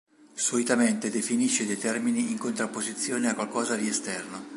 Solitamente, definisce dei termini in contrapposizione a qualcosa di esterno.